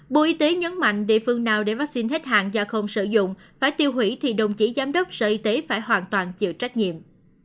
bộ y tế nhấn mạnh địa phương nào để vaccine hết hàng do không sử dụng phải tiêu hủy thì đồng chí giám đốc sở y tế phải hoàn toàn chịu trách nhiệm